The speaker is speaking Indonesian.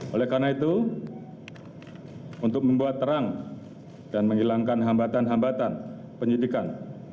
oleh karena itu untuk membuat terang dan menghilangkan hambatan hambatan penyidikan